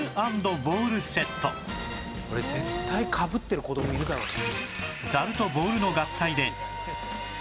「これ絶対かぶってる子供いるだろうな」